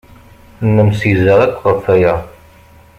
Nemsegza akk ɣef waya.